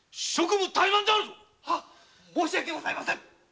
申し訳ございません。